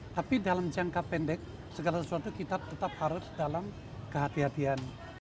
tapi dalam jangka pendek segala sesuatu kita tetap harus dalam kehatian